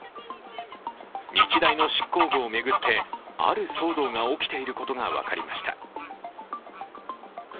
日大の執行部を巡ってある騒動が起きていることが分かりました。